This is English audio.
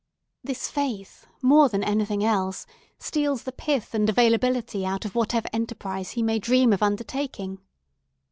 This faith, more than anything else, steals the pith and availability out of whatever enterprise he may dream of undertaking.